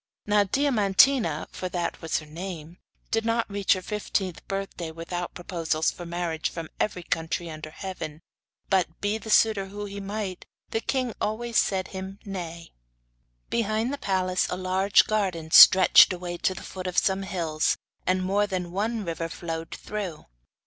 Now Diamantina, for that was her name, did not reach her fifteenth birthday without proposals for marriage from every country under heaven; but be the suitor who he might, the king always said him nay. Behind the palace a large garden stretched away to the foot of some hills, and more than one river flowed through.